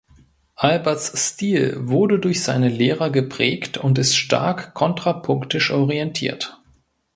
Alberts Stil wurde durch seine Lehrer geprägt und ist stark kontrapunktisch orientiert.